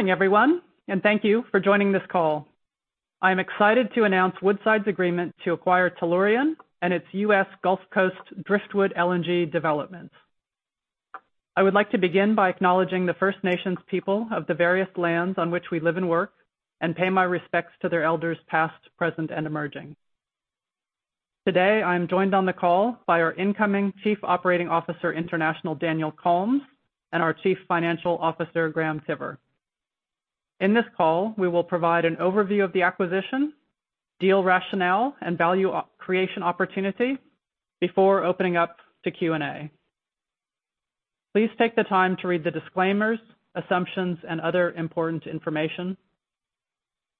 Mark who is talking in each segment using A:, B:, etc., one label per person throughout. A: Morning, everyone, and thank you for joining this call. I am excited to announce Woodside's agreement to acquire Tellurian and its U.S. Gulf Coast Driftwood LNG developments. I would like to begin by acknowledging the First Nations people of the various lands on which we live and work, and pay my respects to their elders past, present, and emerging. Today, I am joined on the call by our incoming Chief Operating Officer International, Daniel Kalms, and our Chief Financial Officer, Graham Tiver. In this call, we will provide an overview of the acquisition, deal rationale, and value creation opportunity before opening up to Q&A. Please take the time to read the disclaimers, assumptions, and other important information.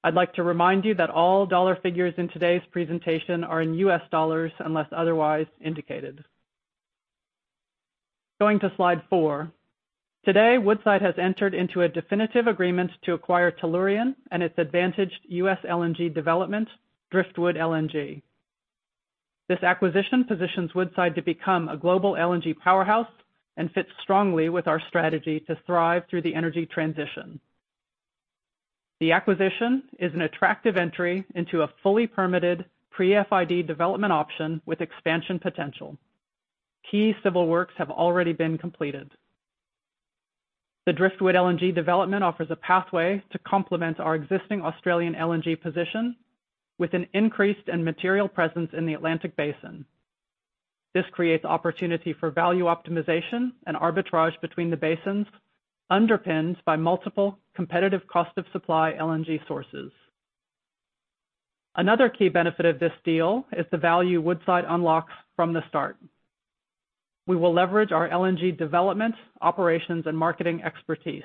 A: I'd like to remind you that all dollar figures in today's presentation are in U.S. dollars unless otherwise indicated. Going to Slide Four. Today, Woodside has entered into a definitive agreement to acquire Tellurian and its advantaged U.S. LNG development, Driftwood LNG. This acquisition positions Woodside to become a global LNG powerhouse and fits strongly with our strategy to thrive through the energy transition. The acquisition is an attractive entry into a fully permitted pre-FID development option with expansion potential. Key civil works have already been completed. The Driftwood LNG development offers a pathway to complement our existing Australian LNG position with an increased and material presence in the Atlantic Basin. This creates opportunity for value optimization and arbitrage between the basins, underpinned by multiple competitive cost-of-supply LNG sources. Another key benefit of this deal is the value Woodside unlocks from the start. We will leverage our LNG development, operations, and marketing expertise.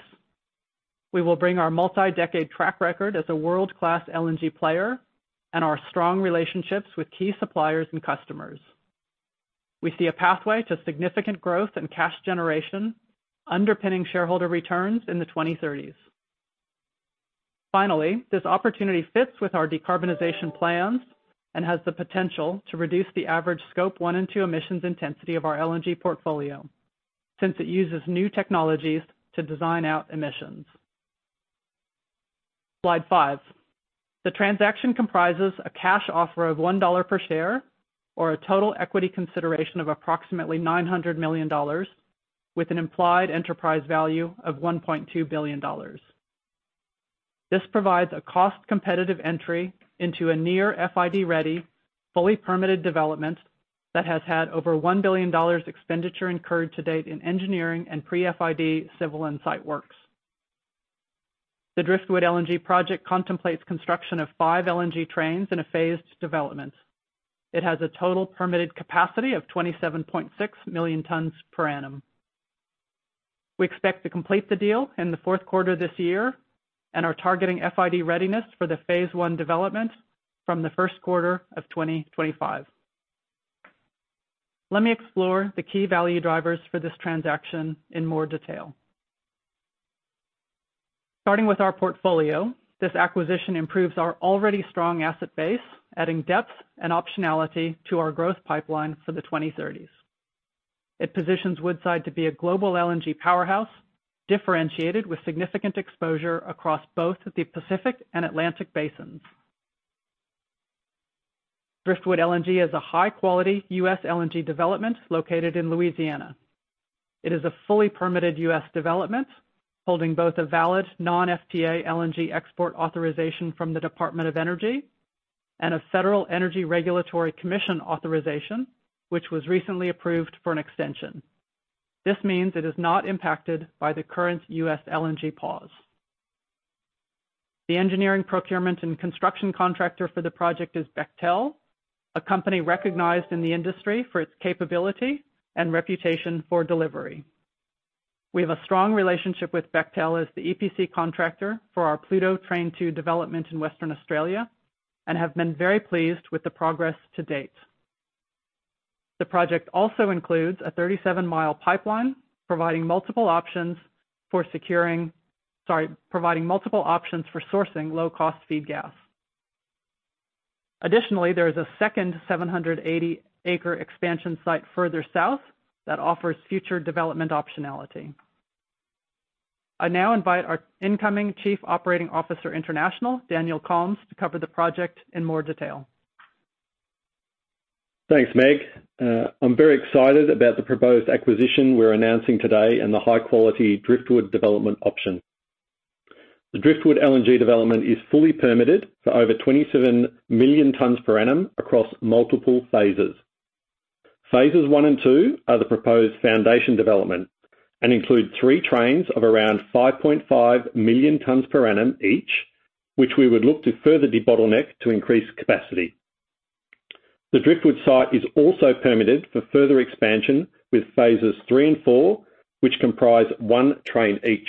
A: We will bring our multi-decade track record as a world-class LNG player and our strong relationships with key suppliers and customers. We see a pathway to significant growth and cash generation, underpinning shareholder returns in the 2030s. Finally, this opportunity fits with our decarbonization plans and has the potential to reduce the average Scope 1 and 2 emissions intensity of our LNG portfolio, since it uses new technologies to design out emissions. Slide Five. The transaction comprises a cash offer of $1 per share or a total equity consideration of approximately $900 million, with an implied enterprise value of $1.2 billion. This provides a cost-competitive entry into a near-FID-ready, fully permitted development that has had over $1 billion expenditure incurred to date in engineering and pre-FID civil and site works. The Driftwood LNG project contemplates construction of five LNG trains in a phased development. It has a total permitted capacity of 27.6 million tons per annum. We expect to complete the deal in the fourth quarter of this year and are targeting FID readiness for the phase I development from the first quarter of 2025. Let me explore the key value drivers for this transaction in more detail. Starting with our portfolio, this acquisition improves our already strong asset base, adding depth and optionality to our growth pipeline for the 2030s. It positions Woodside to be a global LNG powerhouse differentiated with significant exposure across both the Pacific and Atlantic basins. Driftwood LNG is a high-quality U.S. LNG development located in Louisiana. It is a fully permitted U.S. development, holding both a valid non-FTA LNG export authorization from the Department of Energy and a Federal Energy Regulatory Commission authorization, which was recently approved for an extension. This means it is not impacted by the current U.S. LNG pause. The engineering procurement and construction contractor for the project is Bechtel, a company recognized in the industry for its capability and reputation for delivery. We have a strong relationship with Bechtel as the EPC contractor for our Pluto Train 2 development in Western Australia and have been very pleased with the progress to date. The project also includes a 37-mile pipeline providing multiple options for securing, sorry, providing multiple options for sourcing low-cost feed gas. Additionally, there is a second 780-acre expansion site further south that offers future development optionality. I now invite our incoming Chief Operating Officer International, Daniel Kalms, to cover the project in more detail.
B: Thanks, Meg. I'm very excited about the proposed acquisition we're announcing today and the high-quality Driftwood development option. The Driftwood LNG development is fully permitted for over 27 million tons per annum across multiple phases. Phases I and II are the proposed foundation development and include three trains of around 5.5 million tons per annum each, which we would look to further debottleneck to increase capacity. The Driftwood site is also permitted for further expansion with phases III and IV, which comprise one train each.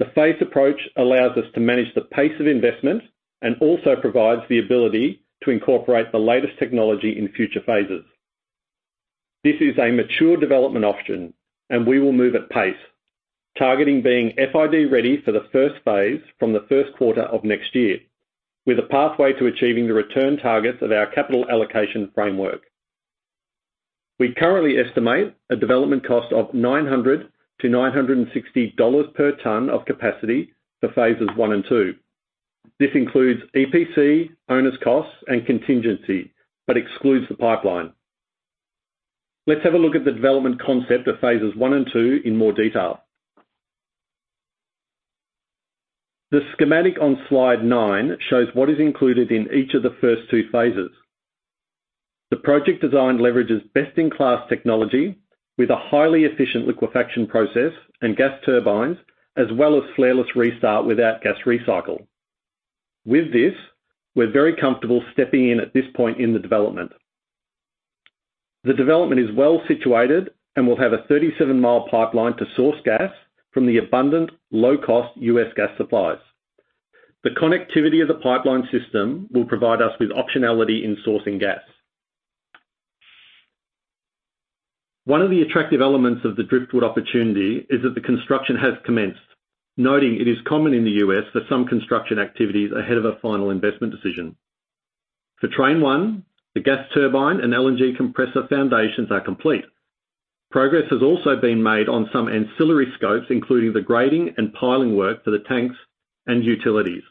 B: The phased approach allows us to manage the pace of investment and also provides the ability to incorporate the latest technology in future phases. This is a mature development option, and we will move at pace, targeting being FID-ready for the first phase from the first quarter of next year, with a pathway to achieving the return targets of our capital allocation framework. We currently estimate a development cost of $900-$960 per ton of capacity for phases I and II. This includes EPC, owner's costs, and contingency, but excludes the pipeline. Let's have a look at the development concept of phases I and II in more detail. The schematic on Slide Nine shows what is included in each of the first two phases. The project design leverages best-in-class technology with a highly efficient liquefaction process and gas turbines, as well as flareless restart without gas recycle. With this, we're very comfortable stepping in at this point in the development. The development is well situated and will have a 37-mile pipeline to source gas from the abundant low-cost U.S. gas supplies. The connectivity of the pipeline system will provide us with optionality in sourcing gas. One of the attractive elements of the Driftwood opportunity is that the construction has commenced, noting it is common in the U.S. for some construction activities ahead of a final investment decision. For Train 1, the gas turbine and LNG compressor foundations are complete. Progress has also been made on some ancillary scopes, including the grading and piling work for the tanks and utilities.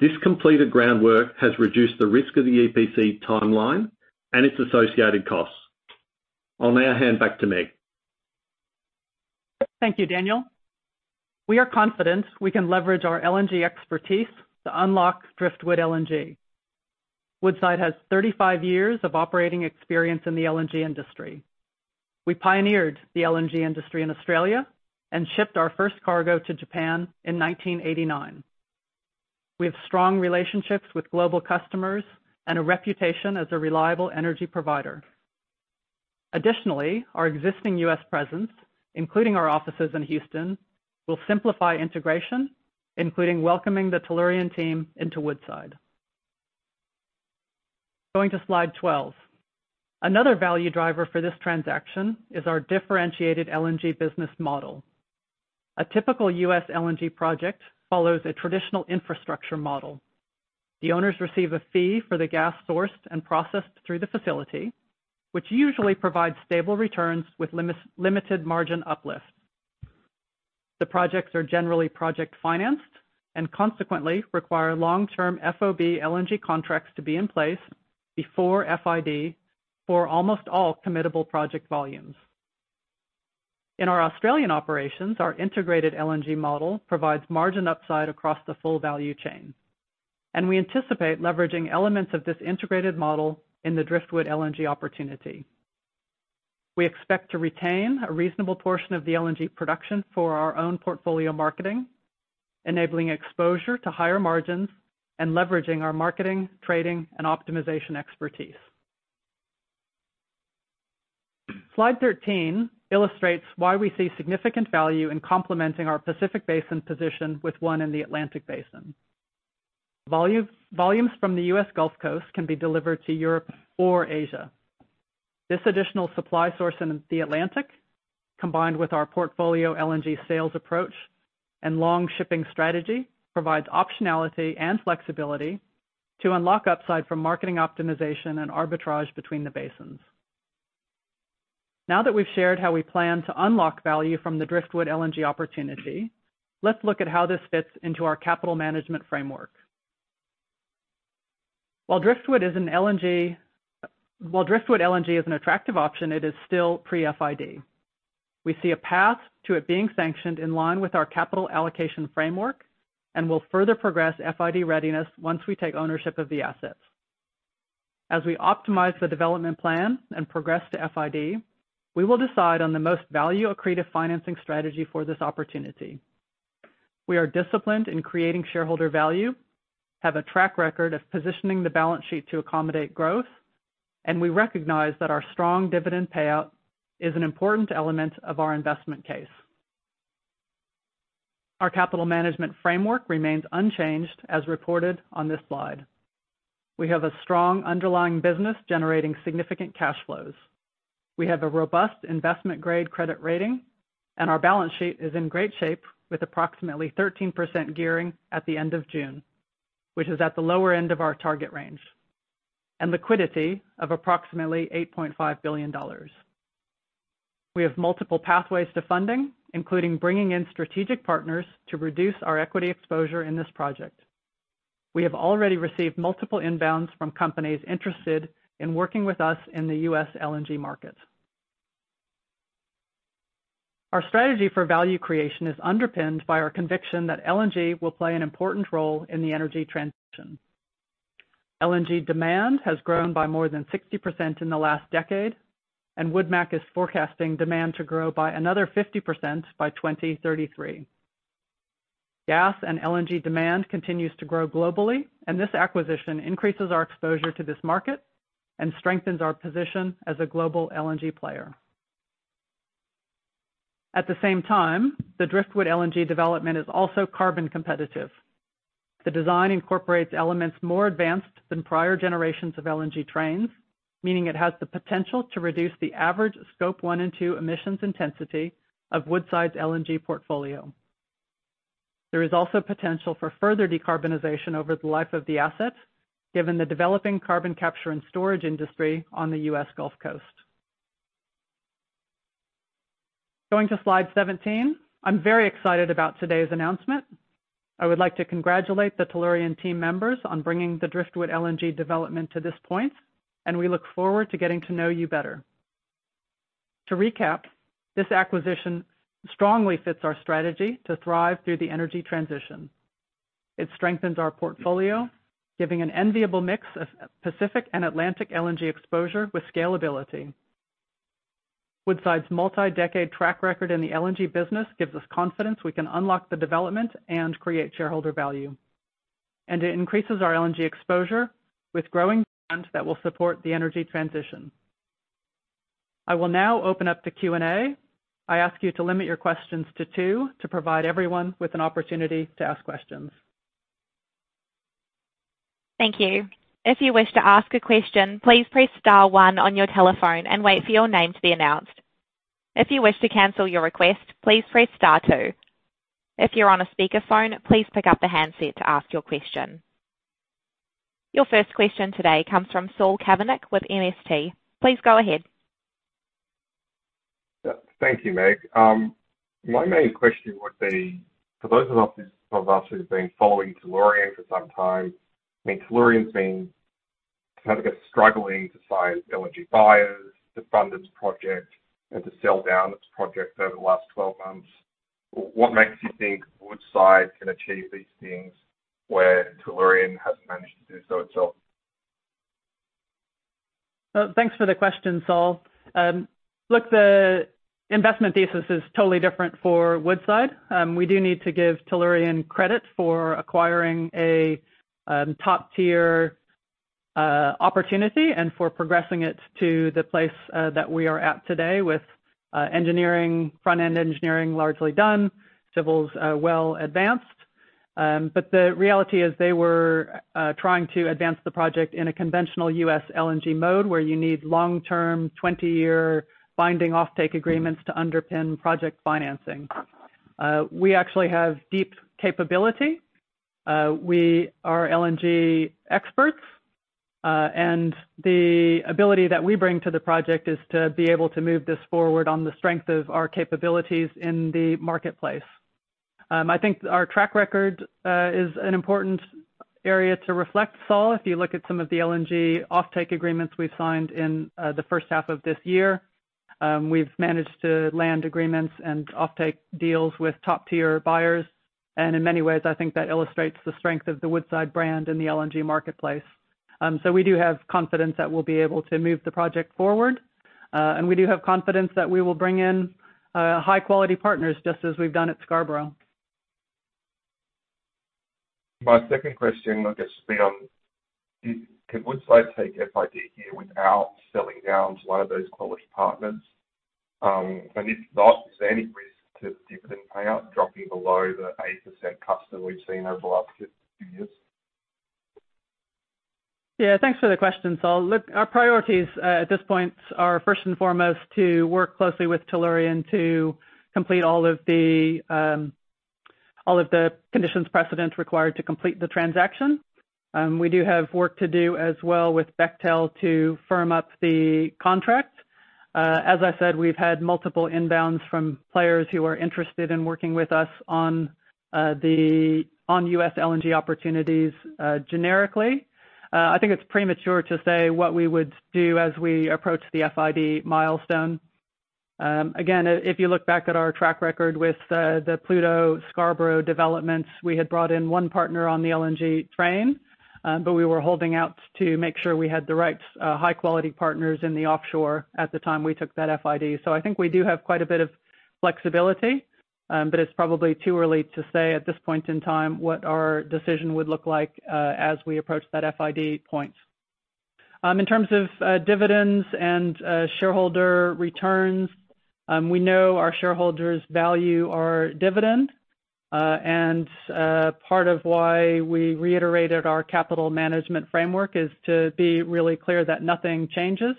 B: This completed groundwork has reduced the risk of the EPC timeline and its associated costs. I'll now hand back to Meg.
A: Thank you, Daniel. We are confident we can leverage our LNG expertise to unlock Driftwood LNG. Woodside has 35 years of operating experience in the LNG industry. We pioneered the LNG industry in Australia and shipped our first cargo to Japan in 1989. We have strong relationships with global customers and a reputation as a reliable energy provider. Additionally, our existing U.S. presence, including our offices in Houston, will simplify integration, including welcoming the Tellurian team into Woodside. Going to Slide 12. Another value driver for this transaction is our differentiated LNG business model. A typical U.S. LNG project follows a traditional infrastructure model. The owners receive a fee for the gas sourced and processed through the facility, which usually provides stable returns with limited margin uplifts. The projects are generally project-financed and consequently require long-term FOB LNG contracts to be in place before FID for almost all committed project volumes. In our Australian operations, our integrated LNG model provides margin upside across the full value chain, and we anticipate leveraging elements of this integrated model in the Driftwood LNG opportunity. We expect to retain a reasonable portion of the LNG production for our own portfolio marketing, enabling exposure to higher margins and leveraging our marketing, trading, and optimization expertise. Slide 13 illustrates why we see significant value in complementing our Pacific Basin position with one in the Atlantic Basin. Volumes from the U.S. Gulf Coast can be delivered to Europe or Asia. This additional supply source in the Atlantic, combined with our portfolio LNG sales approach and long shipping strategy, provides optionality and flexibility to unlock upside from marketing optimization and arbitrage between the basins. Now that we've shared how we plan to unlock value from the Driftwood LNG opportunity, let's look at how this fits into our capital management framework. While Driftwood LNG is an attractive option, it is still pre-FID. We see a path to it being sanctioned in line with our capital allocation framework and will further progress FID readiness once we take ownership of the assets. As we optimize the development plan and progress to FID, we will decide on the most value-accretive financing strategy for this opportunity. We are disciplined in creating shareholder value, have a track record of positioning the balance sheet to accommodate growth, and we recognize that our strong dividend payout is an important element of our investment case. Our capital management framework remains unchanged, as reported on this slide. We have a strong underlying business generating significant cash flows. We have a robust investment-grade credit rating, and our balance sheet is in great shape with approximately 13% gearing at the end of June, which is at the lower end of our target range, and liquidity of approximately $8.5 billion. We have multiple pathways to funding, including bringing in strategic partners to reduce our equity exposure in this project. We have already received multiple inbounds from companies interested in working with us in the U.S. LNG market. Our strategy for value creation is underpinned by our conviction that LNG will play an important role in the energy transition. LNG demand has grown by more than 60% in the last decade, and WoodMac is forecasting demand to grow by another 50% by 2033. Gas and LNG demand continues to grow globally, and this acquisition increases our exposure to this market and strengthens our position as a global LNG player. At the same time, the Driftwood LNG development is also carbon competitive. The design incorporates elements more advanced than prior generations of LNG trains, meaning it has the potential to reduce the average Scope 1 and 2 emissions intensity of Woodside's LNG portfolio. There is also potential for further decarbonization over the life of the asset, given the developing carbon capture and storage industry on the U.S. Gulf Coast. Going to Slide 17, I'm very excited about today's announcement. I would like to congratulate the Tellurian team members on bringing the Driftwood LNG development to this point, and we look forward to getting to know you better. To recap, this acquisition strongly fits our strategy to thrive through the energy transition. It strengthens our portfolio, giving an enviable mix of Pacific and Atlantic LNG exposure with scalability. Woodside's multi-decade track record in the LNG business gives us confidence we can unlock the development and create shareholder value, and it increases our LNG exposure with growing demand that will support the energy transition. I will now open up to Q&A. I ask you to limit your questions to two to provide everyone with an opportunity to ask questions.
C: Thank you. If you wish to ask a question, please press star one on your telephone and wait for your name to be announced. If you wish to cancel your request, please press star two. If you're on a speakerphone, please pick up the handset to ask your question. Your first question today comes from Saul Kavonic with MST. Please go ahead.
D: Thank you, Meg. My main question would be, for those of us who've been following Tellurian for some time, I mean, Tellurian's been kind of struggling to find LNG buyers, to fund its project, and to sell down its project over the last 12 months. What makes you think Woodside can achieve these things where Tellurian hasn't managed to do so itself?
A: Thanks for the question, Saul. Look, the investment thesis is totally different for Woodside. We do need to give Tellurian credit for acquiring a top-tier opportunity and for progressing it to the place that we are at today with engineering, front-end engineering largely done, civils well advanced. But the reality is they were trying to advance the project in a conventional U.S. LNG mode where you need long-term, 20-year binding offtake agreements to underpin project financing. We actually have deep capability. We are LNG experts, and the ability that we bring to the project is to be able to move this forward on the strength of our capabilities in the marketplace. I think our track record is an important area to reflect, Saul. If you look at some of the LNG offtake agreements we've signed in the first half of this year, we've managed to land agreements and offtake deals with top-tier buyers. And in many ways, I think that illustrates the strength of the Woodside brand in the LNG marketplace. So we do have confidence that we'll be able to move the project forward, and we do have confidence that we will bring in high-quality partners just as we've done at Scarborough.
D: My second question would just be on, can Woodside take FID here without selling down to one of those quality partners? And if not, is there any risk to dividend payout dropping below the 8% cushion we've seen over the last few years?
A: Yeah, thanks for the question, Saul. Look, our priorities at this point are first and foremost to work closely with Tellurian to complete all of the conditions precedent required to complete the transaction. We do have work to do as well with Bechtel to firm up the contract. As I said, we've had multiple inbounds from players who are interested in working with us on U.S. LNG opportunities generically. I think it's premature to say what we would do as we approach the FID milestone. Again, if you look back at our track record with the Pluto Scarborough developments, we had brought in one partner on the LNG train, but we were holding out to make sure we had the right high-quality partners in the offshore at the time we took that FID. So I think we do have quite a bit of flexibility, but it's probably too early to say at this point in time what our decision would look like as we approach that FID point. In terms of dividends and shareholder returns, we know our shareholders value our dividend, and part of why we reiterated our capital management framework is to be really clear that nothing changes.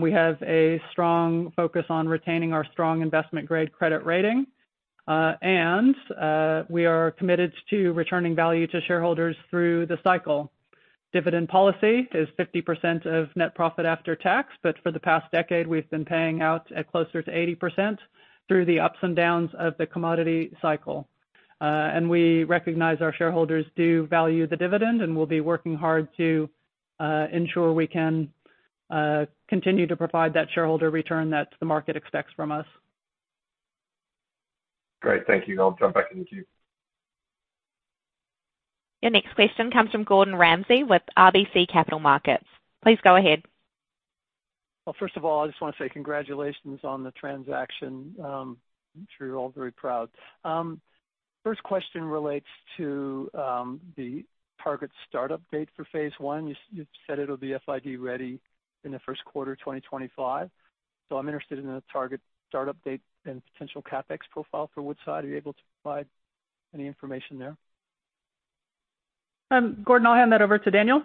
A: We have a strong focus on retaining our strong investment-grade credit rating, and we are committed to returning value to shareholders through the cycle. Dividend policy is 50% of net profit after tax, but for the past decade, we've been paying out at closer to 80% through the ups and downs of the commodity cycle. We recognize our shareholders do value the dividend, and we'll be working hard to ensure we can continue to provide that shareholder return that the market expects from us.
D: Great. Thank you. I'll jump back in the queue.
C: Your next question comes from Gordon Ramsay with RBC Capital Markets. Please go ahead.
E: Well, first of all, I just want to say congratulations on the transaction. I'm sure you're all very proud. First question relates to the target startup date for phase I. You said it'll be FID ready in the first quarter of 2025. So I'm interested in the target startup date and potential CapEx profile for Woodside. Are you able to provide any information there?
A: Gordon, I'll hand that over to Daniel.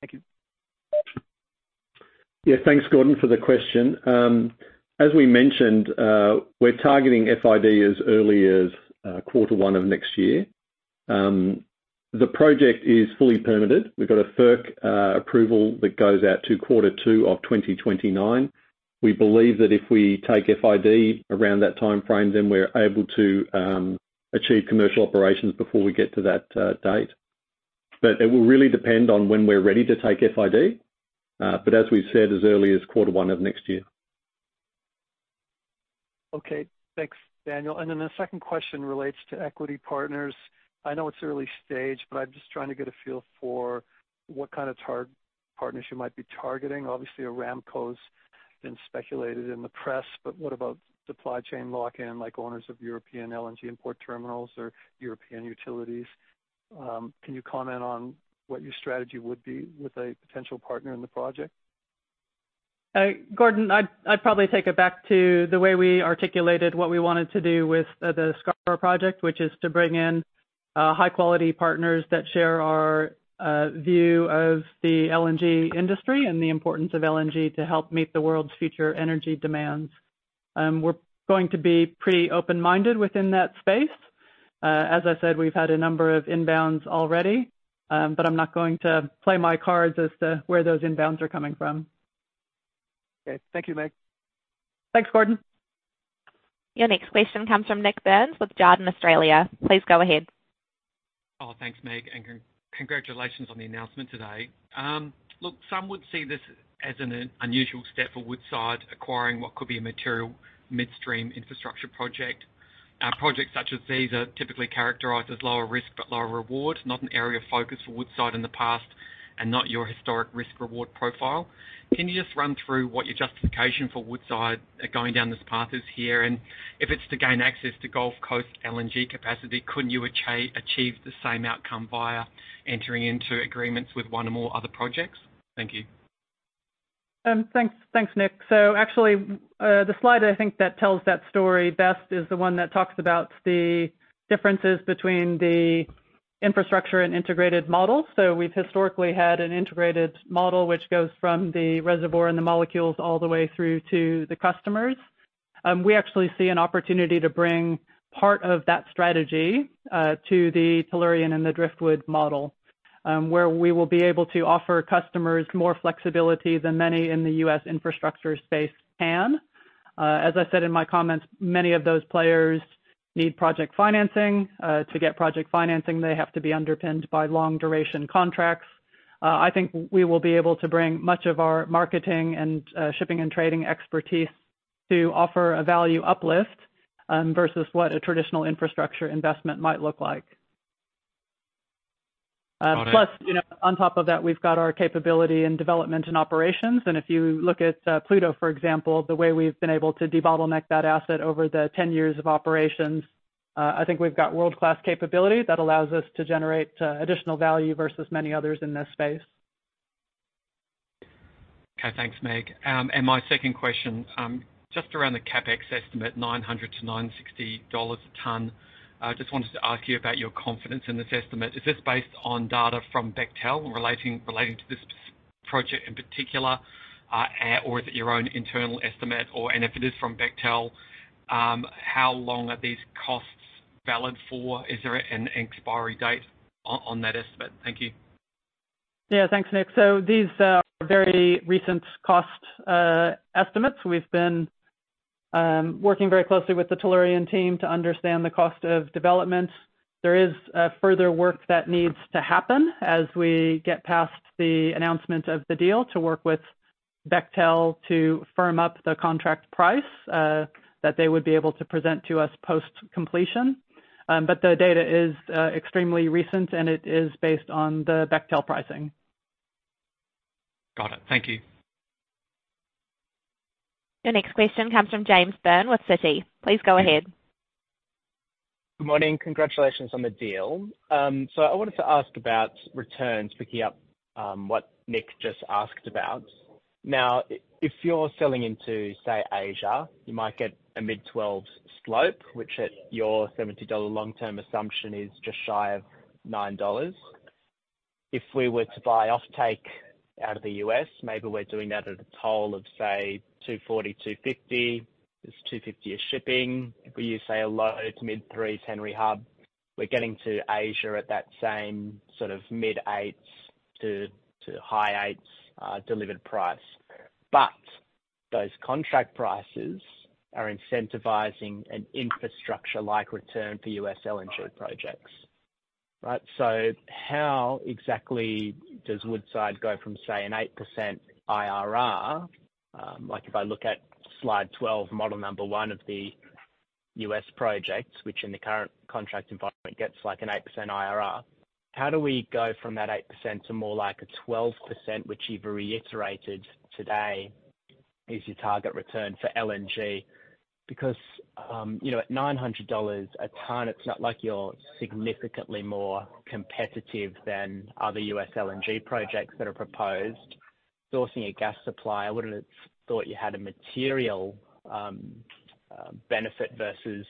E: Thank you.
B: Yeah, thanks, Gordon, for the question. As we mentioned, we're targeting FID as early as quarter one of next year. The project is fully permitted. We've got a FERC approval that goes out to quarter two of 2029. We believe that if we take FID around that time frame, then we're able to achieve commercial operations before we get to that date. But it will really depend on when we're ready to take FID, but as we've said, as early as quarter one of next year.
E: Okay. Thanks, Daniel. Then the second question relates to equity partners. I know it's early stage, but I'm just trying to get a feel for what kind of partners you might be targeting. Obviously, Aramco's been speculated in the press, but what about supply chain lock-in like owners of European LNG import terminals or European utilities? Can you comment on what your strategy would be with a potential partner in the project?
A: Gordon, I'd probably take it back to the way we articulated what we wanted to do with the Scarborough project, which is to bring in high-quality partners that share our view of the LNG industry and the importance of LNG to help meet the world's future energy demands. We're going to be pretty open-minded within that space. As I said, we've had a number of inbounds already, but I'm not going to play my cards as to where those inbounds are coming from.
E: Okay. Thank you, Meg.
A: Thanks, Gordon.
C: Your next question comes from Nik Burns with Jarden Australia. Please go ahead.
F: Oh, thanks, Meg, and congratulations on the announcement today. Look, some would see this as an unusual step for Woodside acquiring what could be a material midstream infrastructure project. Projects such as these are typically characterized as lower risk but lower reward, not an area of focus for Woodside in the past and not your historic risk-reward profile. Can you just run through what your justification for Woodside going down this path is here? And if it's to gain access to Gulf Coast LNG capacity, couldn't you achieve the same outcome via entering into agreements with one or more other projects? Thank you.
A: Thanks, Nik. So actually, the slide I think that tells that story best is the one that talks about the differences between the infrastructure and integrated model. So we've historically had an integrated model which goes from the reservoir and the molecules all the way through to the customers. We actually see an opportunity to bring part of that strategy to the Tellurian and the Driftwood model, where we will be able to offer customers more flexibility than many in the U.S. infrastructure space can. As I said in my comments, many of those players need project financing. To get project financing, they have to be underpinned by long-duration contracts. I think we will be able to bring much of our marketing and shipping and trading expertise to offer a value uplift versus what a traditional infrastructure investment might look like. Plus, on top of that, we've got our capability in development and operations. If you look at Pluto, for example, the way we've been able to debottleneck that asset over the 10 years of operations, I think we've got world-class capability that allows us to generate additional value versus many others in this space.
F: Okay. Thanks, Meg. And my second question, just around the CapEx estimate, $900-$960 a ton, I just wanted to ask you about your confidence in this estimate. Is this based on data from Bechtel relating to this project in particular, or is it your own internal estimate? And if it is from Bechtel, how long are these costs valid for? Is there an expiry date on that estimate? Thank you.
A: Yeah, thanks, Nik. So these are very recent cost estimates. We've been working very closely with the Tellurian team to understand the cost of development. There is further work that needs to happen as we get past the announcement of the deal to work with Bechtel to firm up the contract price that they would be able to present to us post-completion. But the data is extremely recent, and it is based on the Bechtel pricing.
F: Got it. Thank you.
C: Your next question comes from James Byrne with Citi. Please go ahead.
G: Good morning. Congratulations on the deal. So I wanted to ask about returns, picking up what Nik just asked about. Now, if you're selling into, say, Asia, you might get a mid-12s slope, which at your $70 long-term assumption is just shy of $9. If we were to buy offtake out of the U.S., maybe we're doing that at a toll of, say, $240-$250. It's $250 a shipping. If we use, say, a low- to mid-3s Henry Hub, we're getting to Asia at that same sort of mid-8s to high-8s delivered price. But those contract prices are incentivizing an infrastructure-like return for U.S. LNG projects, right? So how exactly does Woodside go from, say, an 8% IRR? Like if I look at Slide 12, model number one of the U.S. projects, which in the current contract environment gets like an 8% IRR, how do we go from that 8% to more like a 12%, which you've reiterated today is your target return for LNG? Because at $900 a ton, it's not like you're significantly more competitive than other U.S. LNG projects that are proposed. Sourcing a gas supply, I wouldn't have thought you had a material benefit versus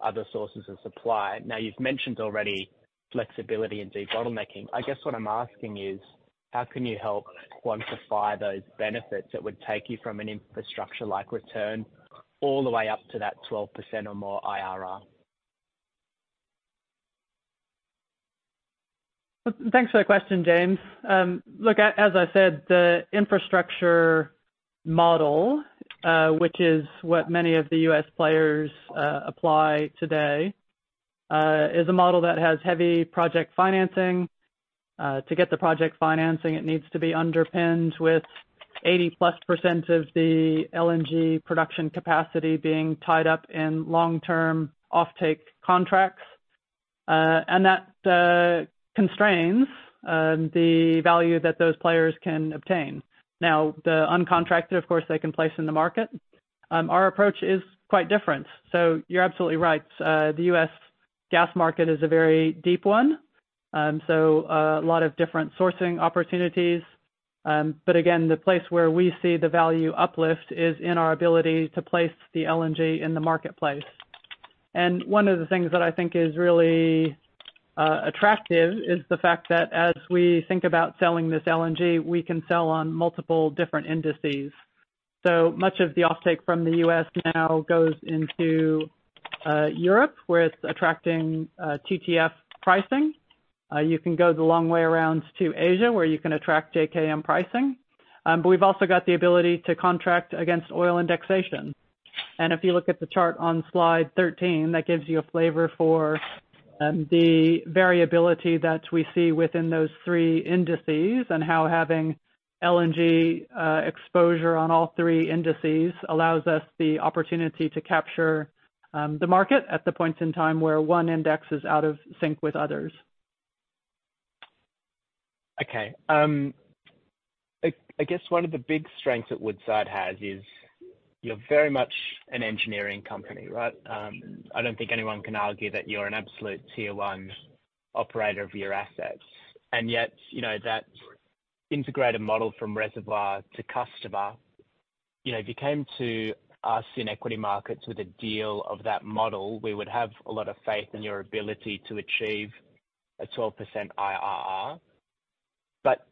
G: other sources of supply. Now, you've mentioned already flexibility and debottlenecking. I guess what I'm asking is, how can you help quantify those benefits that would take you from an infrastructure-like return all the way up to that 12% or more IRR?
A: Thanks for the question, James. Look, as I said, the infrastructure model, which is what many of the U.S. players apply today, is a model that has heavy project financing. To get the project financing, it needs to be underpinned with 80%+ of the LNG production capacity being tied up in long-term offtake contracts, and that constrains the value that those players can obtain. Now, the uncontracted, of course, they can place in the market. Our approach is quite different. So you're absolutely right. The U.S. gas market is a very deep one. So a lot of different sourcing opportunities. But again, the place where we see the value uplift is in our ability to place the LNG in the marketplace. One of the things that I think is really attractive is the fact that as we think about selling this LNG, we can sell on multiple different indices. So much of the offtake from the U.S. now goes into Europe, where it's attracting TTF pricing. You can go the long way around to Asia, where you can attract JKM pricing. But we've also got the ability to contract against oil indexation. And if you look at the chart on Slide 13, that gives you a flavor for the variability that we see within those three indices and how having LNG exposure on all three indices allows us the opportunity to capture the market at the points in time where one index is out of sync with others.
G: Okay. I guess one of the big strengths that Woodside has is you're very much an engineering company, right? I don't think anyone can argue that you're an absolute tier-one operator of your assets. And yet, that integrated model from reservoir to customer, if you came to us in equity markets with a deal of that model, we would have a lot of faith in your ability to achieve a 12% IRR. But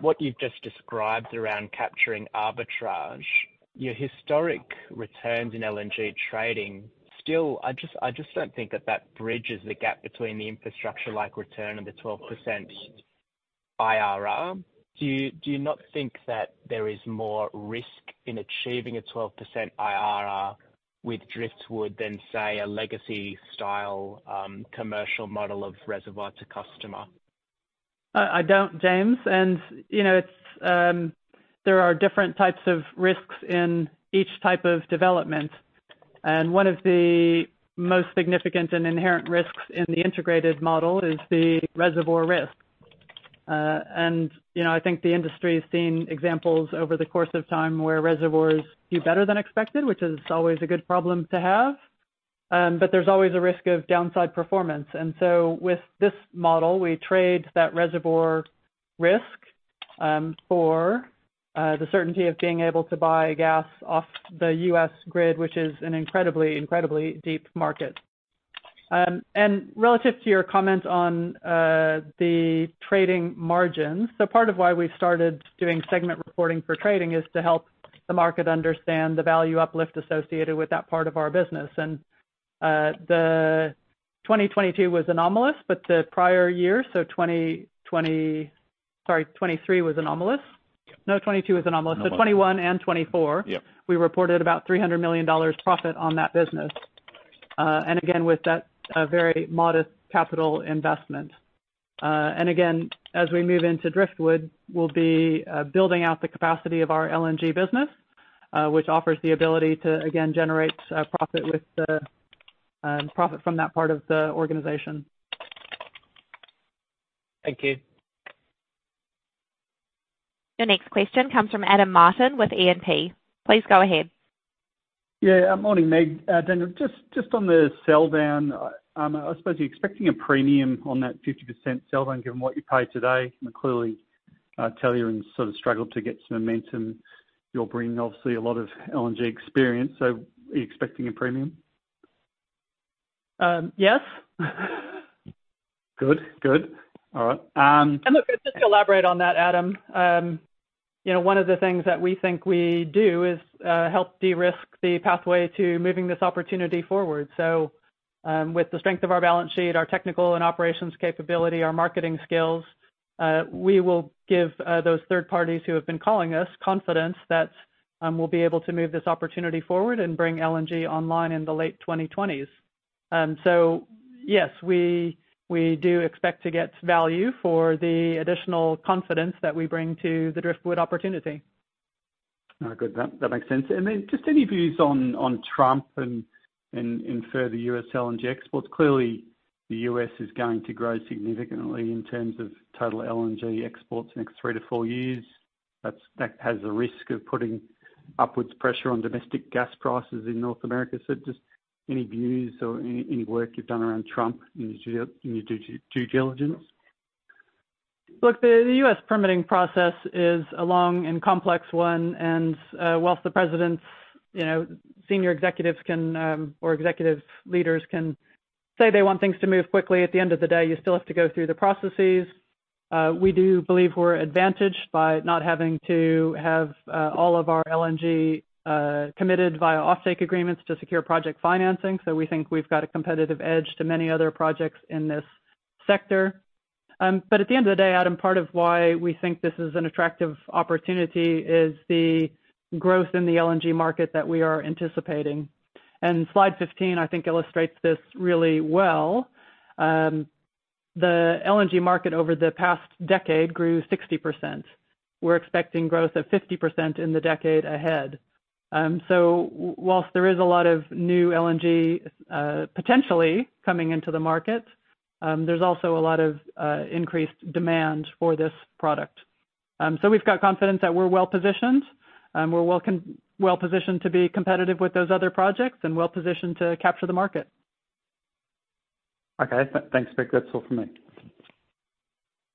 G: what you've just described around capturing arbitrage, your historic returns in LNG trading, still, I just don't think that that bridges the gap between the infrastructure-like return and the 12% IRR. Do you not think that there is more risk in achieving a 12% IRR with Driftwood than, say, a legacy-style commercial model of reservoir to customer?
A: I don't, James. There are different types of risks in each type of development. One of the most significant and inherent risks in the integrated model is the reservoir risk. I think the industry has seen examples over the course of time where reservoirs do better than expected, which is always a good problem to have. But there's always a risk of downside performance. So with this model, we trade that reservoir risk for the certainty of being able to buy gas off the U.S. grid, which is an incredibly, incredibly deep market. Relative to your comment on the trading margins, so part of why we've started doing segment reporting for trading is to help the market understand the value uplift associated with that part of our business. The 2022 was anomalous, but the prior year, so 2020, sorry, 2023 was anomalous. No, 2022 was anomalous. So 2021 and 2024, we reported about $300 million profit on that business. And again, with that very modest capital investment. And again, as we move into Driftwood, we'll be building out the capacity of our LNG business, which offers the ability to, again, generate profit from that part of the organization.
G: Thank you.
C: Your next question comes from Adam Martin with E&P. Please go ahead.
H: Yeah. Morning, Meg. Daniel, just on the sell-down, I suppose you're expecting a premium on that 50% sell-down given what you paid today. Clearly, Tellurian sort of struggled to get some momentum. You're bringing, obviously, a lot of LNG experience. So are you expecting a premium?
A: Yes.
H: Good. Good. All right.
A: Look, just to elaborate on that, Adam, one of the things that we think we do is help de-risk the pathway to moving this opportunity forward. So with the strength of our balance sheet, our technical and operations capability, our marketing skills, we will give those third parties who have been calling us confidence that we'll be able to move this opportunity forward and bring LNG online in the late 2020s. So yes, we do expect to get value for the additional confidence that we bring to the Driftwood opportunity.
H: Good. That makes sense. And then just any views on Trump and further U.S. LNG exports? Clearly, the U.S. is going to grow significantly in terms of total LNG exports in the next 3-4 years. That has a risk of putting upwards pressure on domestic gas prices in North America. So just any views or any work you've done around Trump in your due diligence?
A: Look, the U.S. permitting process is a long and complex one. Whilst the president's senior executives or executive leaders can say they want things to move quickly, at the end of the day, you still have to go through the processes. We do believe we're advantaged by not having to have all of our LNG committed via offtake agreements to secure project financing. So we think we've got a competitive edge to many other projects in this sector. But at the end of the day, Adam, part of why we think this is an attractive opportunity is the growth in the LNG market that we are anticipating. And Slide 15, I think, illustrates this really well. The LNG market over the past decade grew 60%. We're expecting growth of 50% in the decade ahead. While there is a lot of new LNG potentially coming into the market, there's also a lot of increased demand for this product. We've got confidence that we're well-positioned. We're well-positioned to be competitive with those other projects and well-positioned to capture the market.
H: Okay. Thanks, Meg. That's all from me.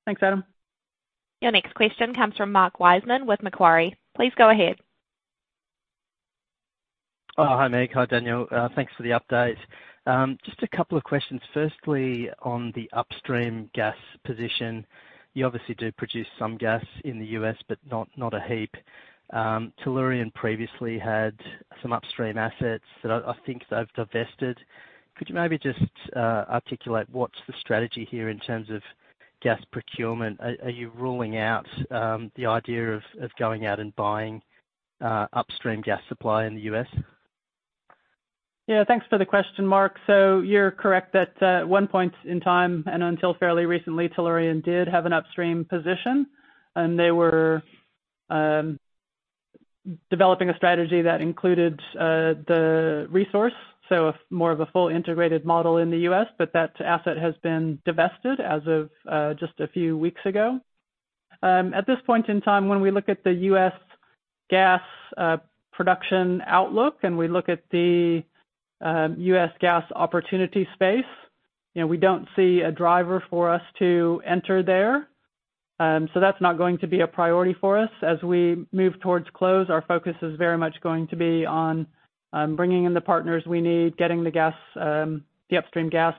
A: Thanks, Adam.
C: Your next question comes from Mark Wiseman with Macquarie. Please go ahead.
I: Hi, Meg. Hi, Daniel. Thanks for the update. Just a couple of questions. Firstly, on the upstream gas position, you obviously do produce some gas in the U.S., but not a heap. Tellurian previously had some upstream assets that I think they've divested. Could you maybe just articulate what's the strategy here in terms of gas procurement? Are you ruling out the idea of going out and buying upstream gas supply in the U.S.?
A: Yeah. Thanks for the question, Mark. So you're correct that at one point in time and until fairly recently, Tellurian did have an upstream position. They were developing a strategy that included the resource, so more of a full integrated model in the U.S., but that asset has been divested as of just a few weeks ago. At this point in time, when we look at the U.S. gas production outlook and we look at the U.S. gas opportunity space, we don't see a driver for us to enter there. That's not going to be a priority for us. As we move towards close, our focus is very much going to be on bringing in the partners we need, getting the upstream gas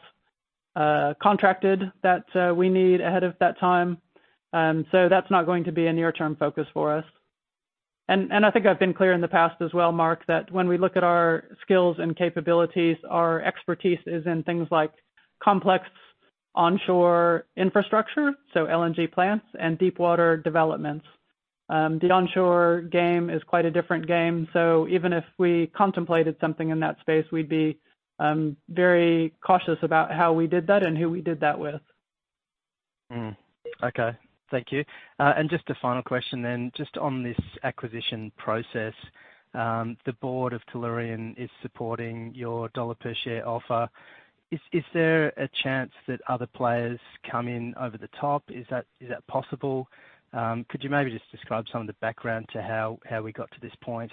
A: contracted that we need ahead of that time. That's not going to be a near-term focus for us. I think I've been clear in the past as well, Mark, that when we look at our skills and capabilities, our expertise is in things like complex onshore infrastructure, so LNG plants and deep-water developments. The onshore game is quite a different game. So even if we contemplated something in that space, we'd be very cautious about how we did that and who we did that with.
I: Okay. Thank you. And just a final question then. Just on this acquisition process, the board of Tellurian is supporting your U.S. dollar per share offer. Is there a chance that other players come in over the top? Is that possible? Could you maybe just describe some of the background to how we got to this point?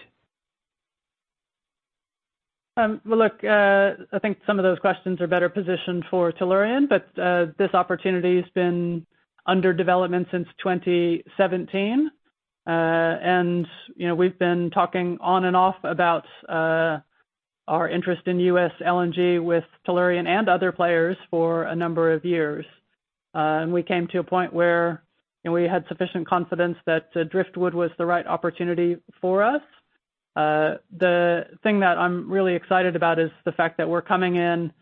A: Well, look, I think some of those questions are better positioned for Tellurian, but this opportunity has been under development since 2017. And we've been talking on and off about our interest in U.S. LNG with Tellurian and other players for a number of years. And we came to a point where we had sufficient confidence that Driftwood was the right opportunity for us. The thing that I'm really excited about is the fact that we're coming in.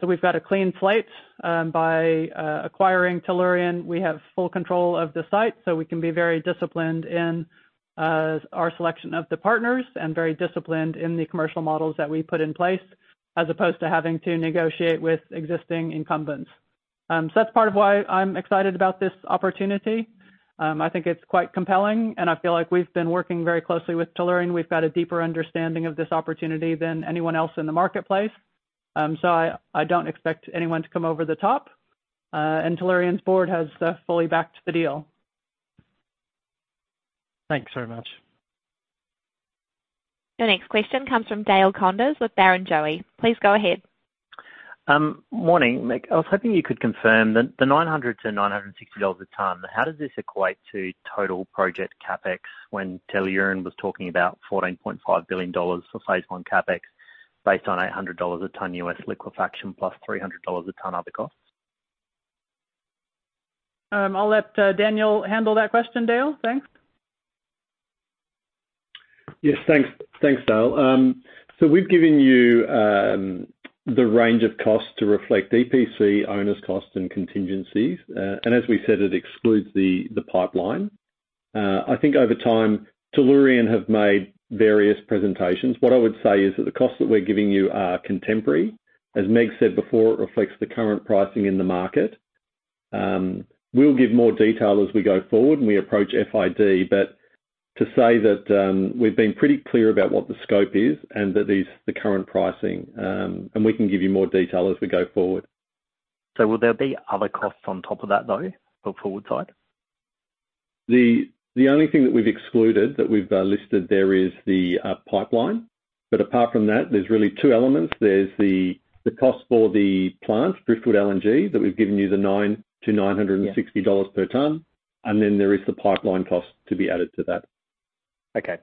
A: So we've got a clean slate by acquiring Tellurian. We have full control of the site, so we can be very disciplined in our selection of the partners and very disciplined in the commercial models that we put in place as opposed to having to negotiate with existing incumbents. So that's part of why I'm excited about this opportunity. I think it's quite compelling, and I feel like we've been working very closely with Tellurian. We've got a deeper understanding of this opportunity than anyone else in the marketplace. So I don't expect anyone to come over the top. And Tellurian's board has fully backed the deal.
I: Thanks very much.
C: Your next question comes from Dale Koenders with Barrenjoey. Please go ahead.
J: Morning, Meg. I was hoping you could confirm that the $900-$960 a ton, how does this equate to total project CapEx when Tellurian was talking about $14.5 billion for phase I CapEx based on $800 a ton U.S. liquefaction plus $300 a ton other costs?
A: I'll let Daniel handle that question, Dale. Thanks.
B: Yes. Thanks, Dale. So we've given you the range of costs to reflect EPC, owner's cost, and contingencies. And as we said, it excludes the pipeline. I think over time, Tellurian have made various presentations. What I would say is that the costs that we're giving you are contemporary. As Meg said before, it reflects the current pricing in the market. We'll give more detail as we go forward when we approach FID. But to say that we've been pretty clear about what the scope is and the current pricing, and we can give you more detail as we go forward.
J: Will there be other costs on top of that, though, for Woodside?
B: The only thing that we've excluded that we've listed there is the pipeline. Apart from that, there's really two elements. There's the cost for the plant, Driftwood LNG, that we've given you the $900-$960 per ton. Then there is the pipeline cost to be added to that.
J: Okay.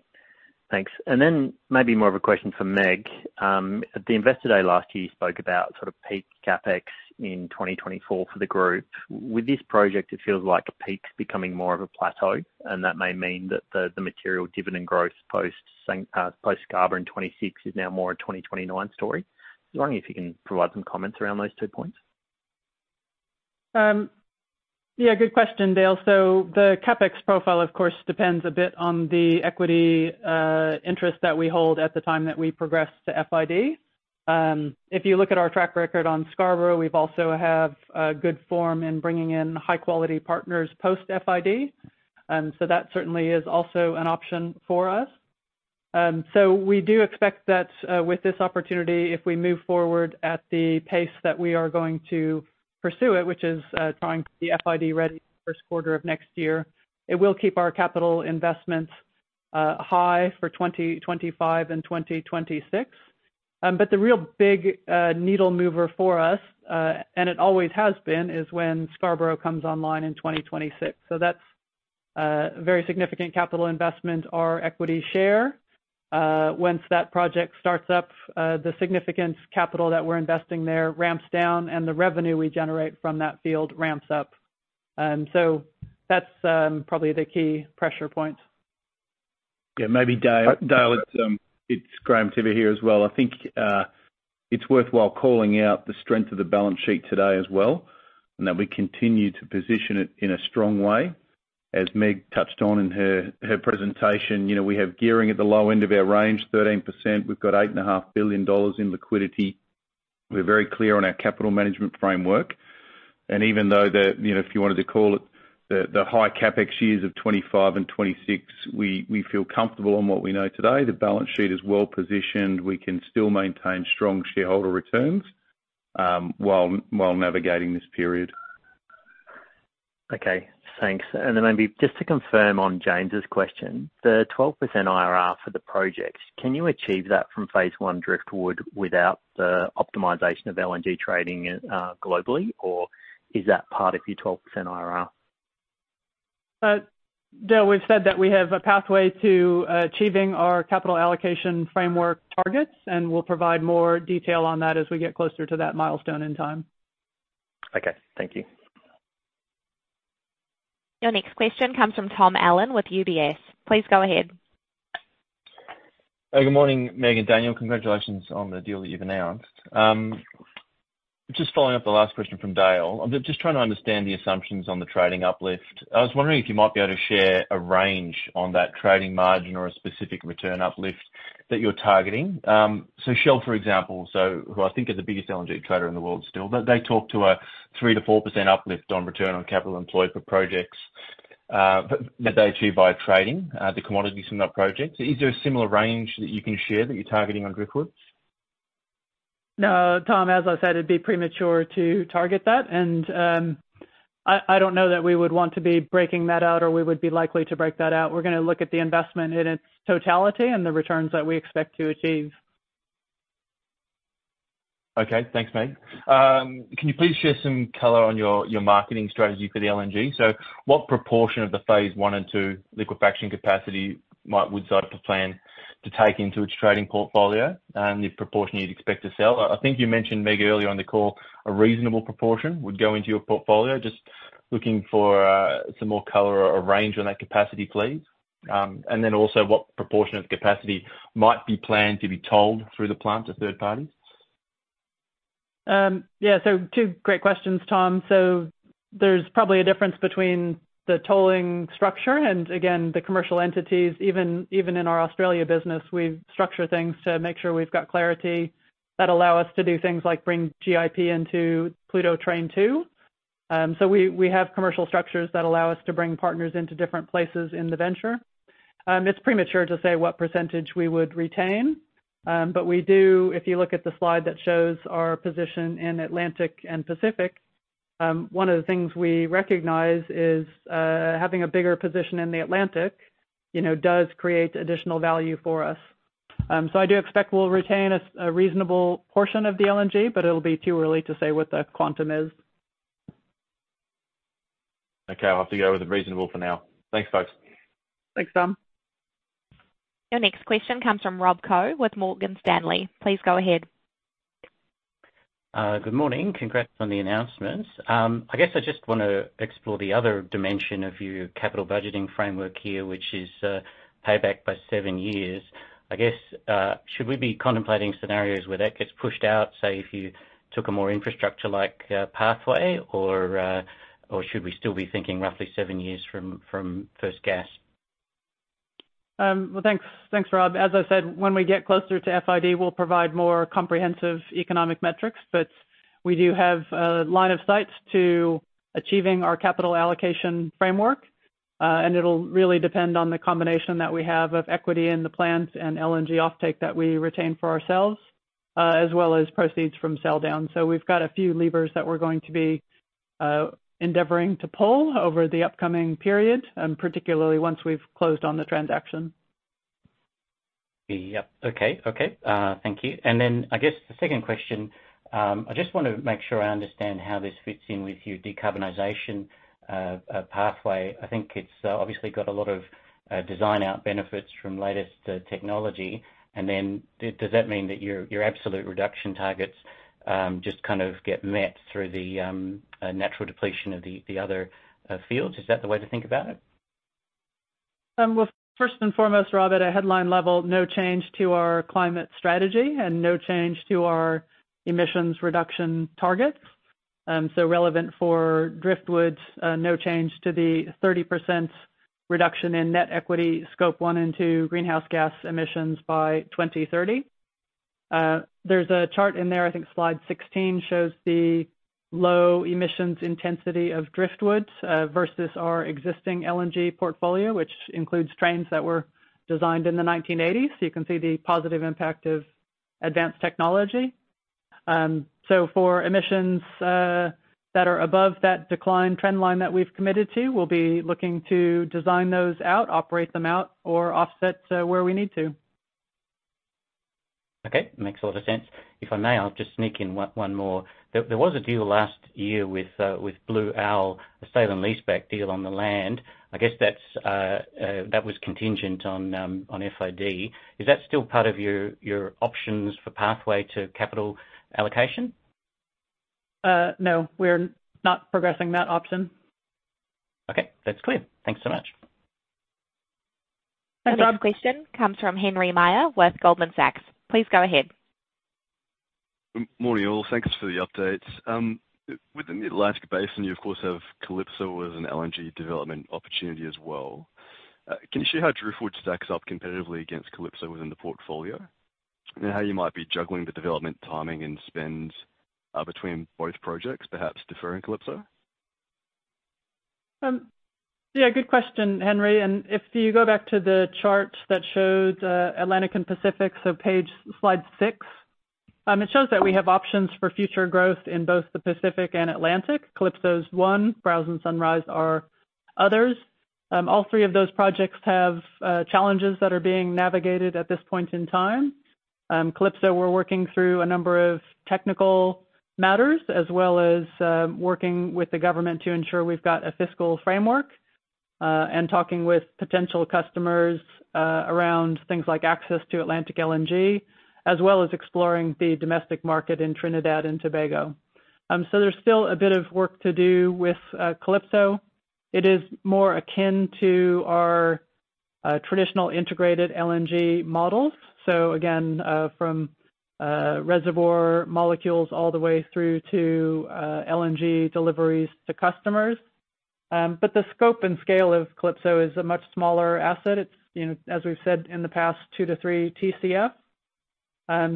J: Thanks. And then maybe more of a question for Meg. At the investor day last year, you spoke about sort of peak CapEx in 2024 for the group. With this project, it feels like peak's becoming more of a plateau. And that may mean that the material dividend growth post-Scarborough in 2026 is now more a 2029 story. I was wondering if you can provide some comments around those two points.
A: Yeah. Good question, Dale. So the CapEx profile, of course, depends a bit on the equity interest that we hold at the time that we progress to FID. If you look at our track record on Scarborough, we've also had good form in bringing in high-quality partners post-FID. So that certainly is also an option for us. So we do expect that with this opportunity, if we move forward at the pace that we are going to pursue it, which is trying to be FID-ready in the first quarter of next year, it will keep our capital investments high for 2025 and 2026. But the real big needle mover for us, and it always has been, is when Scarborough comes online in 2026. So that's a very significant capital investment, our equity share. Once that project starts up, the significant capital that we're investing there ramps down, and the revenue we generate from that field ramps up. So that's probably the key pressure point.
K: Yeah. Maybe Dale, it's Graham Tiver here as well. I think it's worthwhile calling out the strength of the balance sheet today as well and that we continue to position it in a strong way. As Meg touched on in her presentation, we have gearing at the low end of our range, 13%. We've got $8.5 billion in liquidity. We're very clear on our capital management framework. And even though, if you wanted to call it the high CapEx years of 2025 and 2026, we feel comfortable on what we know today. The balance sheet is well-positioned. We can still maintain strong shareholder returns while navigating this period.
J: Okay. Thanks. And then maybe just to confirm on James's question, the 12% IRR for the project, can you achieve that from phase I Driftwood without the optimization of LNG trading globally, or is that part of your 12% IRR?
A: Dale, we've said that we have a pathway to achieving our capital allocation framework targets, and we'll provide more detail on that as we get closer to that milestone in time.
J: Okay. Thank you.
C: Your next question comes from Tom Allen with UBS. Please go ahead.
L: Hey. Good morning, Meg and Daniel. Congratulations on the deal that you've announced. Just following up the last question from Dale, I'm just trying to understand the assumptions on the trading uplift. I was wondering if you might be able to share a range on that trading margin or a specific return uplift that you're targeting. So Shell, for example, who I think is the biggest LNG trader in the world still, but they talk to a 3%-4% uplift on return on capital employed for projects that they achieve by trading the commodities from that project. Is there a similar range that you can share that you're targeting on Driftwood?
A: No. Tom, as I said, it'd be premature to target that. I don't know that we would want to be breaking that out or we would be likely to break that out. We're going to look at the investment in its totality and the returns that we expect to achieve.
L: Okay. Thanks, Meg. Can you please share some color on your marketing strategy for the LNG? So what proportion of the phase I and II liquefaction capacity would Woodside plan to take into its trading portfolio and the proportion you'd expect to sell? I think you mentioned, Meg, earlier on the call, a reasonable proportion would go into your portfolio. Just looking for some more color or a range on that capacity, please. And then also, what proportion of the capacity might be planned to be tolled through the plant to third parties?
A: Yeah. So two great questions, Tom. So there's probably a difference between the tolling structure and, again, the commercial entities. Even in our Australia business, we structure things to make sure we've got clarity that allow us to do things like bring GIP into Pluto Train II. So we have commercial structures that allow us to bring partners into different places in the venture. It's premature to say what percentage we would retain. But we do, if you look at the slide that shows our position in Atlantic and Pacific, one of the things we recognize is having a bigger position in the Atlantic does create additional value for us. So I do expect we'll retain a reasonable portion of the LNG, but it'll be too early to say what the quantum is.
L: Okay. I'll have to go with a reasonable for now. Thanks, folks.
A: Thanks, Tom.
C: Your next question comes from Rob Koh with Morgan Stanley. Please go ahead.
M: Good morning. Congrats on the announcement. I guess I just want to explore the other dimension of your capital budgeting framework here, which is payback by 7 years. I guess, should we be contemplating scenarios where that gets pushed out, say, if you took a more infrastructure-like pathway, or should we still be thinking roughly 7 years from first gas?
A: Well, thanks, Rob. As I said, when we get closer to FID, we'll provide more comprehensive economic metrics. But we do have a line of sight to achieving our capital allocation framework. And it'll really depend on the combination that we have of equity in the plant and LNG offtake that we retain for ourselves, as well as proceeds from sale down. So we've got a few levers that we're going to be endeavoring to pull over the upcoming period, particularly once we've closed on the transaction.
M: Yep. Okay. Okay. Thank you. And then I guess the second question, I just want to make sure I understand how this fits in with your decarbonization pathway. I think it's obviously got a lot of design-out benefits from latest technology. And then does that mean that your absolute reduction targets just kind of get met through the natural depletion of the other fields? Is that the way to think about it?
A: Well, first and foremost, Rob, at a headline level, no change to our climate strategy and no change to our emissions reduction targets. So relevant for Driftwood, no change to the 30% reduction in net equity Scope 1 and 2 greenhouse gas emissions by 2030. There's a chart in there. I think Slide 16 shows the low emissions intensity of Driftwood versus our existing LNG portfolio, which includes trains that were designed in the 1980s. So you can see the positive impact of advanced technology. So for emissions that are above that decline trend line that we've committed to, we'll be looking to design those out, operate them out, or offset where we need to.
M: Okay. Makes a lot of sense. If I may, I'll just sneak in one more. There was a deal last year with Blue Owl, a sale-leaseback deal on the land. I guess that was contingent on FID. Is that still part of your options for pathway to capital allocation?
A: No. We're not progressing that option.
M: Okay. That's clear. Thanks so much.
C: The third question comes from Henry Meyer with Goldman Sachs. Please go ahead.
N: Morning, y'all. Thanks for the updates. Within the Atlantic Basin, you, of course, have Calypso as an LNG development opportunity as well. Can you share how Driftwood stacks up competitively against Calypso within the portfolio and how you might be juggling the development timing and spend between both projects, perhaps deferring Calypso?
A: Yeah. Good question, Henry. And if you go back to the chart that showed Atlantic and Pacific, so page Slide Six, it shows that we have options for future growth in both the Pacific and Atlantic. Calypso's one. Browse and Sunrise are others. All three of those projects have challenges that are being navigated at this point in time. Calypso, we're working through a number of technical matters as well as working with the government to ensure we've got a fiscal framework and talking with potential customers around things like access to Atlantic LNG, as well as exploring the domestic market in Trinidad and Tobago. So there's still a bit of work to do with Calypso. It is more akin to our traditional integrated LNG models. So again, from reservoir molecules all the way through to LNG deliveries to customers. But the scope and scale of Calypso is a much smaller asset. It's, as we've said in the past, 2-3 TCF.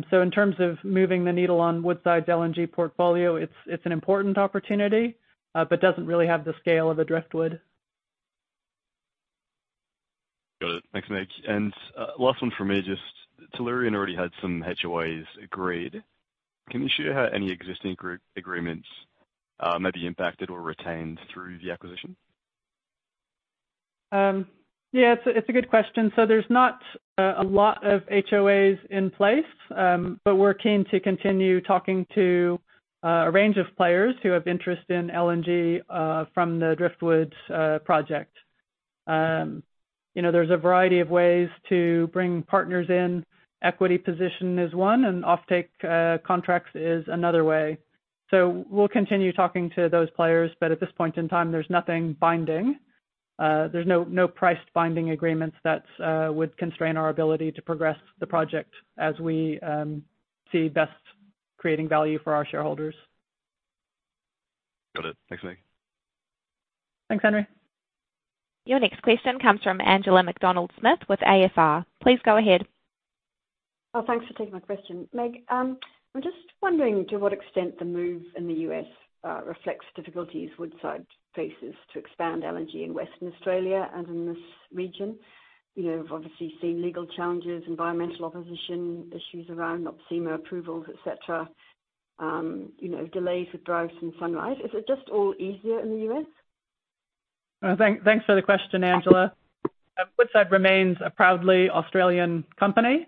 A: So in terms of moving the needle on Woodside's LNG portfolio, it's an important opportunity but doesn't really have the scale of the Driftwood.
N: Got it. Thanks, Meg. Last one for me, just Tellurian already had some HOAs agreed. Can you share how any existing agreements may be impacted or retained through the acquisition?
A: Yeah. It's a good question. So there's not a lot of HOAs in place, but we're keen to continue talking to a range of players who have interest in LNG from the Driftwood project. There's a variety of ways to bring partners in. Equity position is one, and offtake contracts is another way. So we'll continue talking to those players. But at this point in time, there's nothing binding. There's no priced binding agreements that would constrain our ability to progress the project as we see best creating value for our shareholders.
N: Got it. Thanks, Meg.
A: Thanks, Henry.
C: Your next question comes from Angela Macdonald-Smith with AFR. Please go ahead.
O: Oh, thanks for taking my question, Meg. I'm just wondering to what extent the move in the U.S. reflects difficulties Woodside faces to expand LNG in Western Australia and in this region. We've obviously seen legal challenges, environmental opposition, issues around NOPSEMA approvals, etc., delays with Browse and Sunrise. Is it just all easier in the U.S.?
A: Thanks for the question, Angela. Woodside remains a proudly Australian company.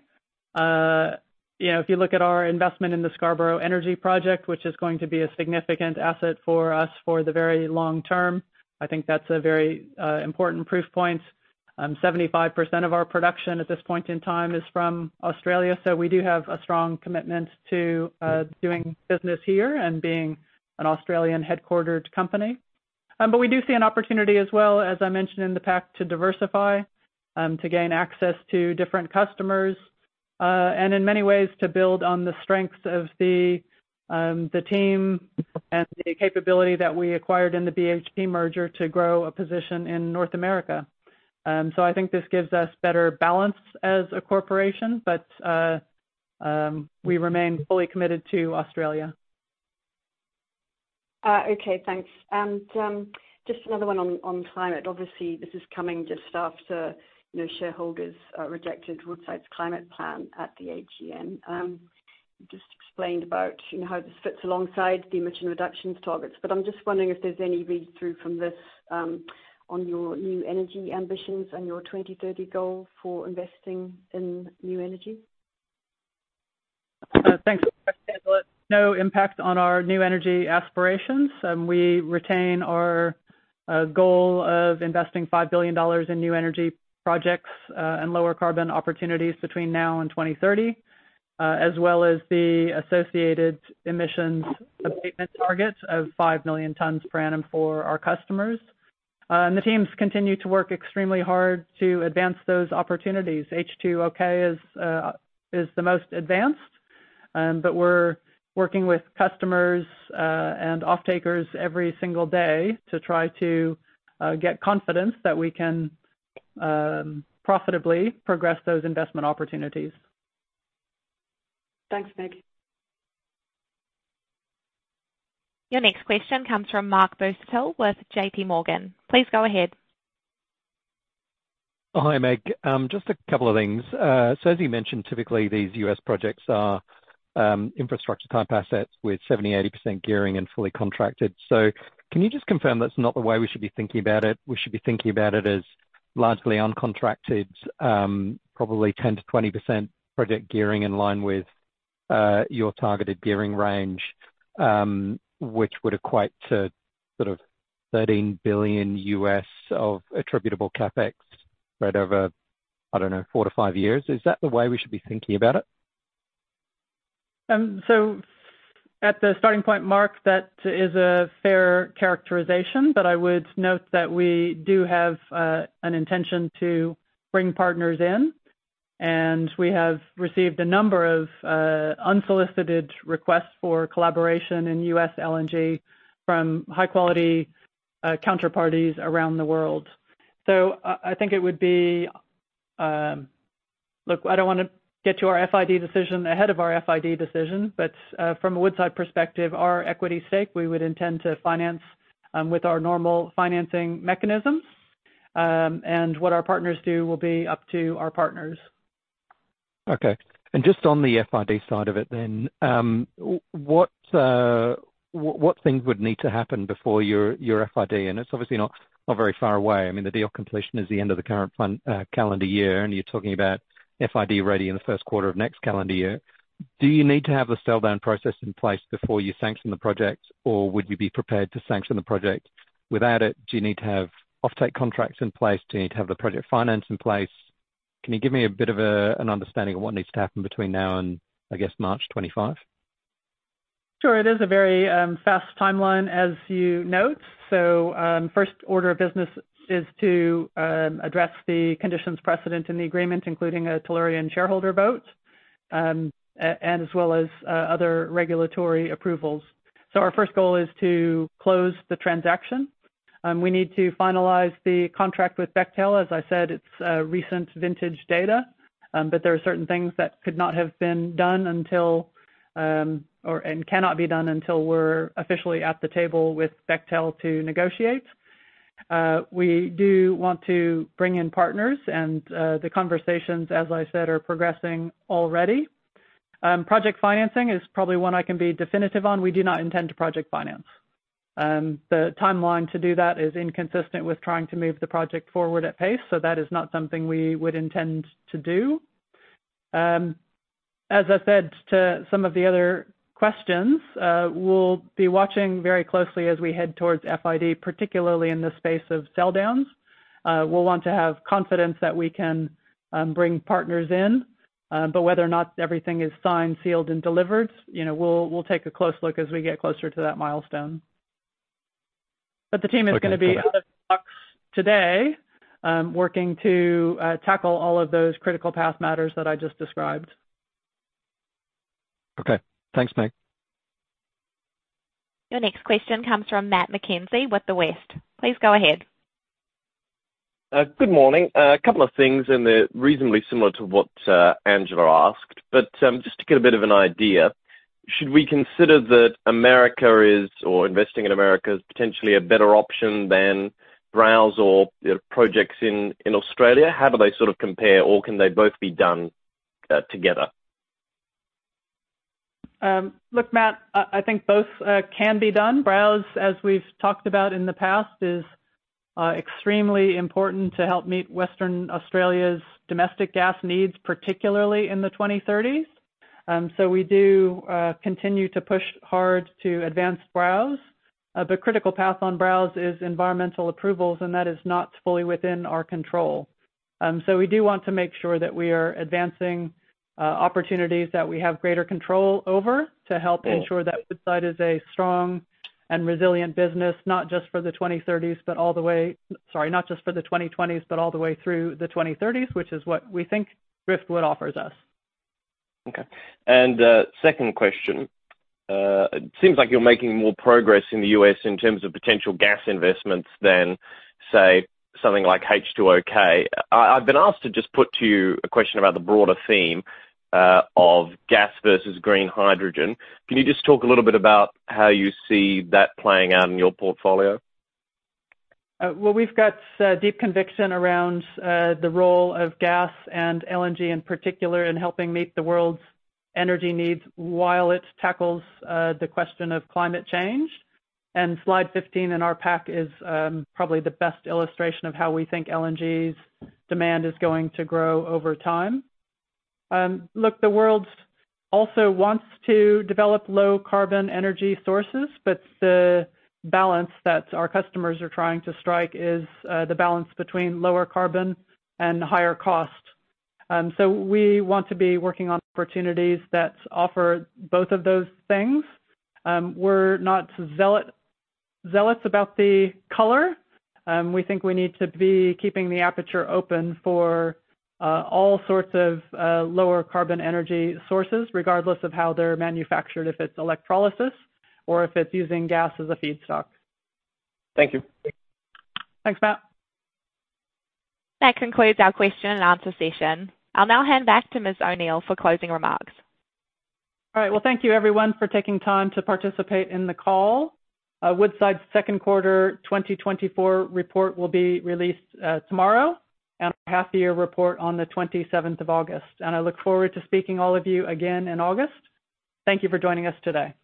A: If you look at our investment in the Scarborough Energy project, which is going to be a significant asset for us for the very long term, I think that's a very important proof point. 75% of our production at this point in time is from Australia. So we do have a strong commitment to doing business here and being an Australian-headquartered company. But we do see an opportunity as well, as I mentioned in the pack, to diversify, to gain access to different customers, and in many ways to build on the strengths of the team and the capability that we acquired in the BHP merger to grow a position in North America. So I think this gives us better balance as a corporation, but we remain fully committed to Australia.
O: Okay. Thanks. And just another one on climate. Obviously, this is coming just after shareholders rejected Woodside's climate plan at the AGM. You just explained about how this fits alongside the emission reductions targets. But I'm just wondering if there's any read-through from this on your new energy ambitions and your 2030 goal for investing in new energy?
A: Thanks, Angela. No impact on our new energy aspirations. We retain our goal of investing $5 billion in new energy projects and lower carbon opportunities between now and 2030, as well as the associated emissions abatement targets of 5 million tons per annum for our customers. The teams continue to work extremely hard to advance those opportunities. H2OK is the most advanced, but we're working with customers and offtakers every single day to try to get confidence that we can profitably progress those investment opportunities.
O: Thanks, Meg.
C: Your next question comes from Mark Busuttil with J.P. Morgan. Please go ahead.
P: Hi, Meg. Just a couple of things. So as you mentioned, typically, these U.S. projects are infrastructure-type assets with 70%-80% gearing and fully contracted. So can you just confirm that's not the way we should be thinking about it? We should be thinking about it as largely uncontracted, probably 10%-20% project gearing in line with your targeted gearing range, which would equate to sort of $13 billion of attributable CapEx spread over, I don't know, 4-5 years. Is that the way we should be thinking about it?
A: So at the starting point, Mark, that is a fair characterization. But I would note that we do have an intention to bring partners in. And we have received a number of unsolicited requests for collaboration in U.S. LNG from high-quality counterparties around the world. So I think it would be look, I don't want to get to our FID decision ahead of our FID decision. But from a Woodside perspective, our equity stake, we would intend to finance with our normal financing mechanisms. And what our partners do will be up to our partners.
P: Okay. Just on the FID side of it then, what things would need to happen before your FID? It's obviously not very far away. I mean, the deal completion is the end of the current calendar year, and you're talking about FID ready in the first quarter of next calendar year. Do you need to have the sale down process in place before you sanction the project, or would you be prepared to sanction the project without it? Do you need to have offtake contracts in place? Do you need to have the project finance in place? Can you give me a bit of an understanding of what needs to happen between now and, I guess, March 25?
A: Sure. It is a very fast timeline, as you note. So first order of business is to address the conditions precedent in the agreement, including a Tellurian shareholder vote and as well as other regulatory approvals. So our first goal is to close the transaction. We need to finalize the contract with Bechtel. As I said, it's recent vintage data, but there are certain things that could not have been done and cannot be done until we're officially at the table with Bechtel to negotiate. We do want to bring in partners, and the conversations, as I said, are progressing already. Project financing is probably one I can be definitive on. We do not intend to project finance. The timeline to do that is inconsistent with trying to move the project forward at pace, so that is not something we would intend to do. As I said to some of the other questions, we'll be watching very closely as we head towards FID, particularly in the space of sale downs. We'll want to have confidence that we can bring partners in. But whether or not everything is signed, sealed, and delivered, we'll take a close look as we get closer to that milestone. But the team is going to be out of the box today working to tackle all of those critical path matters that I just described.
P: Okay. Thanks, Meg.
C: Your next question comes from Matt Mckenzie with The West. Please go ahead.
Q: Good morning. A couple of things and they're reasonably similar to what Angela asked. But just to get a bit of an idea, should we consider that America is or investing in America is potentially a better option than Browse or projects in Australia? How do they sort of compare, or can they both be done together?
A: Look, Matt, I think both can be done. Browse, as we've talked about in the past, is extremely important to help meet Western Australia's domestic gas needs, particularly in the 2030s. So we do continue to push hard to advance Browse. But critical path on Browse is environmental approvals, and that is not fully within our control. So we do want to make sure that we are advancing opportunities that we have greater control over to help ensure that Woodside is a strong and resilient business, not just for the 2030s, but all the way sorry, not just for the 2020s, but all the way through the 2030s, which is what we think Driftwood offers us.
Q: Okay. Second question, it seems like you're making more progress in the U.S. in terms of potential gas investments than, say, something like H2OK. I've been asked to just put to you a question about the broader theme of gas versus green hydrogen. Can you just talk a little bit about how you see that playing out in your portfolio?
A: Well, we've got deep conviction around the role of gas and LNG in particular in helping meet the world's energy needs while it tackles the question of climate change. And Slide 15 in our pack is probably the best illustration of how we think LNG's demand is going to grow over time. Look, the world also wants to develop low-carbon energy sources, but the balance that our customers are trying to strike is the balance between lower carbon and higher cost. So we want to be working on opportunities that offer both of those things. We're not zealots about the color. We think we need to be keeping the aperture open for all sorts of lower-carbon energy sources, regardless of how they're manufactured, if it's electrolysis or if it's using gas as a feedstock.
Q: Thank you.
A: Thanks, Matt.
C: That concludes our question and answer session. I'll now hand back to Ms. O'Neill for closing remarks.
A: All right. Well, thank you, everyone, for taking time to participate in the call. Woodside's second quarter 2024 report will be released tomorrow, and our half-year report on the August 27th. I look forward to speaking to all of you again in August. Thank you for joining us today.